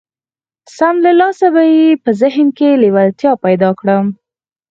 سم له لاسه به يې په ذهن کې لېوالتيا پيدا کړم.